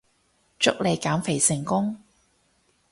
祝你減肥成功